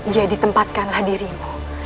jadi tempatkanlah dirimu